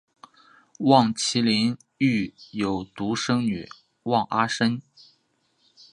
望麒麟育有独生女望阿参。